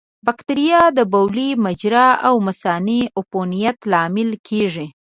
بکتریا د بولي مجرا او مثانې عفونت لامل کېږي.